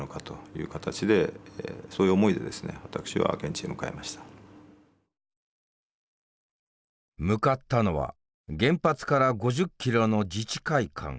チームの中心が向かったのは原発から５０キロの自治会館。